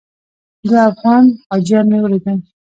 دوه افغان حاجیان مې ولیدل.